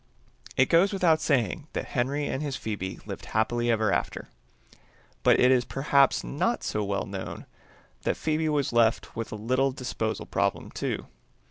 It goes without saying that Henry and his Phoebe lived happily ever after, but it is perhaps not so well known that Phoebe was left with a little disposal problem, too.